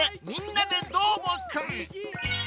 「みんなＤＥどーもくん！」。